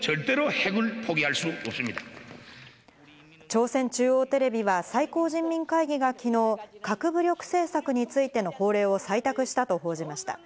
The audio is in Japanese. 朝鮮中央テレビは最高人民会議が昨日、核武力政策についての法令を採択したと報じました。